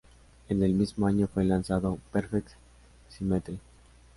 En el mismo año fue lanzado "Perfect Symmetry".